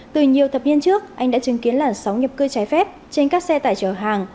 từ nhiều thập niên trước anh đã chứng kiến làn sóng nhập cư trái phép trên các xe tải chở hàng